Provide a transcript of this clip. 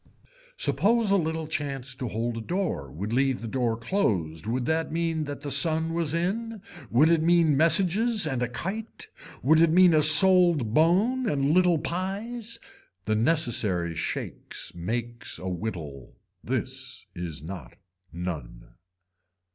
Suppose a little chance to hold a door would leave the door closed would that mean that the sun was in, would it mean messages and a kite, would it mean a sold bone and little pies. The necessary shakes makes a whittle. This is not none.